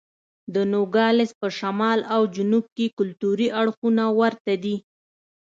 د نوګالس په شمال او جنوب کې کلتوري اړخونه ورته دي.